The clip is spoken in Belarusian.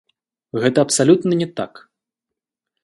Гэта абсалютна не так!